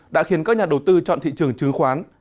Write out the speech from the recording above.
đã khiến các nhà đầu tư chọn thị trường chứng khoán